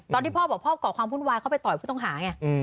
ตอนที่พ่อบอกพ่อก่อความวุ่นวายเข้าไปต่อยผู้ต้องหาไง